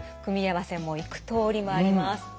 組み合わせも幾とおりもあります。